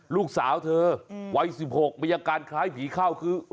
ลูกสาวเธอวัย๑๖มีอาการคล้ายผีเข้าคือ